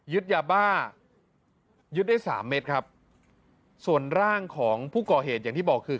ยาบ้ายึดได้สามเม็ดครับส่วนร่างของผู้ก่อเหตุอย่างที่บอกคือ